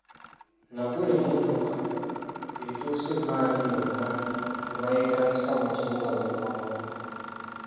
Nagula emmotoka etuusa emmaali yonna eba yeetaagisa mu kibuga mu bwangu.